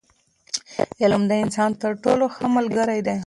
علم د انسان تر ټولو ښه ملګری دی.